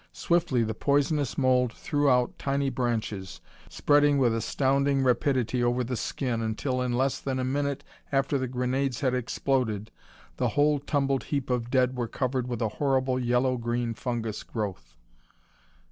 Swiftly the poisonous mould threw out tiny branches, spreading with astounding rapidity over the skin until, in less than a minute after the grenades had exploded, the whole tumbled heap of dead were covered with a horrible yellow green fungus growth.